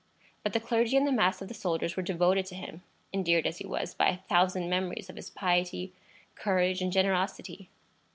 But the clergy and the mass of the soldiers were devoted to him, endeared as he was by a thousand memories of his piety, courage, and generosity.